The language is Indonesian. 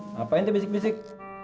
ngapain tuh bisik bisik